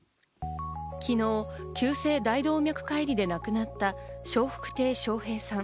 昨日、急性大動脈解離で亡くなった笑福亭笑瓶さん。